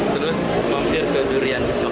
terus mampir ke durian kecil